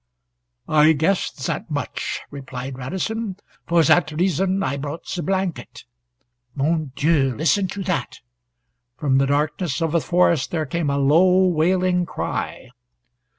"I guessed that much," replied Radisson. "For that reason I brought the blanket. Mon Dieu, listen to that!" From the darkness of the forest there came a low wailing cry.